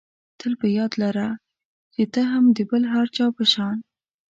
تل په یاد لره چې ته هم د بل هر چا په شان.